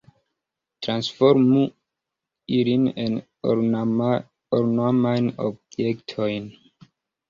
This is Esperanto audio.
Transformu ilin en ornamajn objektojn!